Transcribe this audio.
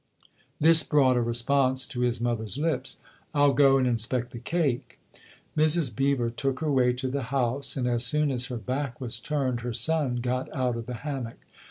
" This brought a response to his mother's lips. " I'll go and inspect the cake !" Mrs. Beever took her way to the house, and as soon as her back was turned her son got out of the hammock.